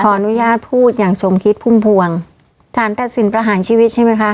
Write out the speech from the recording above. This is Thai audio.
อนุญาตพูดอย่างสมคิดพุ่มพวงสารตัดสินประหารชีวิตใช่ไหมคะ